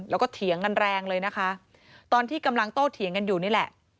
แล้วก็เถียงกันแรงเลยนะคะตอนที่กำลังโต้เถียงกันอยู่นี่แหละ